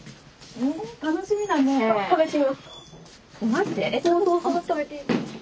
マジで？